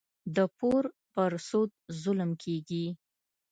د پور پر سود ظلم کېږي.